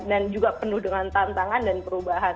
dan juga penuh dengan tantangan dan perubahan